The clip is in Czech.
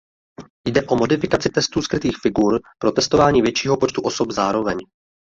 Jde o modifikaci testu skrytých figur pro testování většího počtu osob zároveň.